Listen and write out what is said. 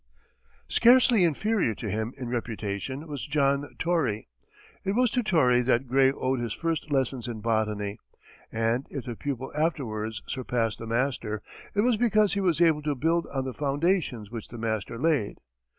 Scarcely inferior to him in reputation was John Torrey. It was to Torrey that Gray owed his first lessons in botany, and if the pupil afterwards surpassed the master, it was because he was able to build on the foundations which the master laid.